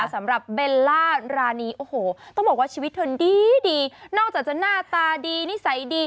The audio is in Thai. สำหรับเบลล่ารานีโอ้โหต้องบอกว่าชีวิตเธอดีดีนอกจากจะหน้าตาดีนิสัยดี